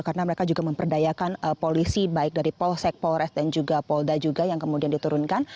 karena mereka juga memperdayakan polisi baik dari polsek polres dan juga polda juga yang kemudian diturunkan